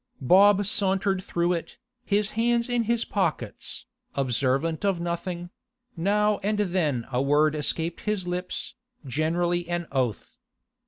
Bob sauntered through it, his hands in his pockets, observant of nothing; now and then a word escaped his lips, generally an oath.